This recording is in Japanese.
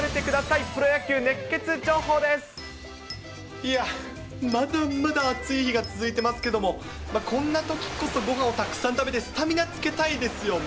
いや、まだまだ暑い日が続いてますけれども、こんなときこそ、ごはんをたくさん食べて、スタミナつけたいですよね。